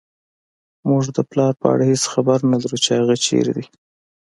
موږ د پلار په اړه هېڅ خبر نه لرو چې هغه چېرته دی